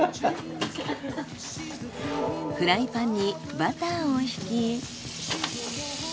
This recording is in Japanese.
フライパンにバターを引き。